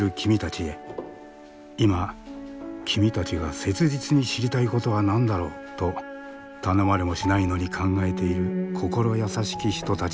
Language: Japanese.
「今君たちが切実に知りたいことは何だろう？」と頼まれもしないのに考えている心優しき人たちがいる。